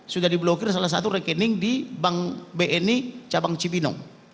sudah diblokir salah satu rekening di bank bni cabang cibinong